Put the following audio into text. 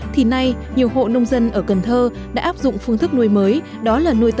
thì nay nhiều hộ nông dân ở cần thơ đã áp dụng phương thức nuôi mới